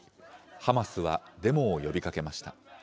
ハマスはデモを呼びかけました。